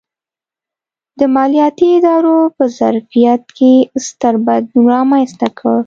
د مالیاتي ادارو په ظرفیت کې ستر بدلون رامنځته کړ.